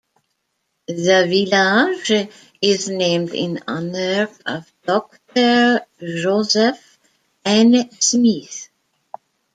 The village is named in honor of Doctor Joseph N. Smith.